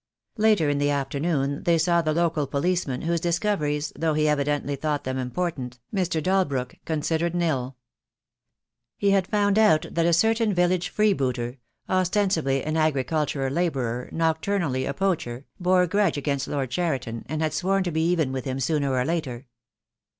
Later in the afternoon they saw the local policeman, whose discoveries, though he evidently thought them important, Mr. Dalbrook considered nil. He had found out that a certain village free booter — ostensibly an agricultural labourer, nocturnally a poacher — bore a grudge against Lord Cheriton, and had sworn to be even with him sooner or later.